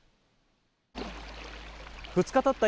２日たった